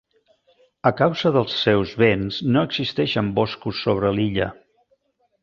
A causa dels seus vents no existeixen boscos sobre l'illa.